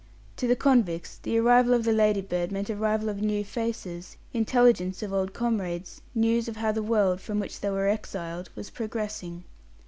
To the convicts the arrival of the Ladybird meant arrival of new faces, intelligence of old comrades, news of how the world, from which they were exiled, was progressing.